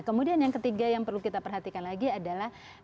kemudian yang ketiga yang perlu kita perhatikan lagi adalah